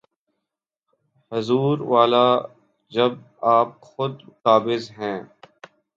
حضور والا، جب آپ خود قابض ہیں۔